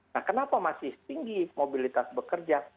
nah kenapa masih tinggi mobilitas bekerja